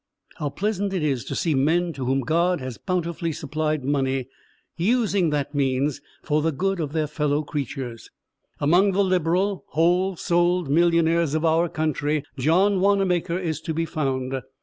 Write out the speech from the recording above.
How pleasant it is to see men to whom God has bountifully supplied money using that means for the good of their fellow creatures. Among the liberal, whole souled millionaires of our country, John Wannamaker is to be found.